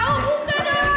oh buka dong